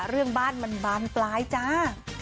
เรื่องบ้านมันบานปลายจ้า